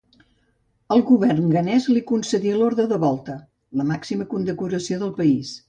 El govern ghanès li concedí l'Orde de Volta, la màxima condecoració del país.